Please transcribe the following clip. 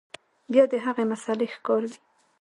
بيا د هغې مسئلې ښکار وي